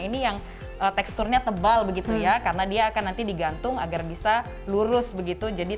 ini yang teksturnya tebal begitu ya karena dia akan nanti digantung agar bisa lurus begitu jadi